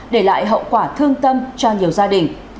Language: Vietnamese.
để lại hậu quả thương tâm cho nhiều gia đình